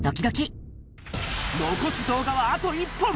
残す動画はあと１本。